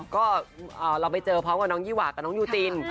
ก็เราไปเจอพร้อมกับน้องยี่หว่ากับน้องยูจิน